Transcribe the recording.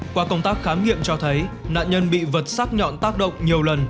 qua công tác khám nghiệm cho thấy nạn nhân bị vật xác nhọn tác động nhiều lần